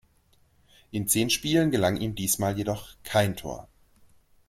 In zehn Spielen gelang ihm diesmal jedoch kein Tor.